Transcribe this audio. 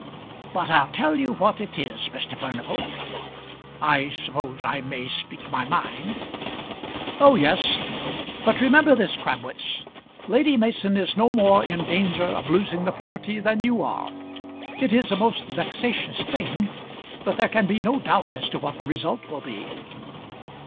But I'll tell you what it is, Mr. Furnival . I suppose I may speak my mind." "Oh, yes! But remember this, Crabwitz; Lady Mason is no more in danger of losing the property than you are. It is a most vexatious thing, but there can be no doubt as to what the result will be."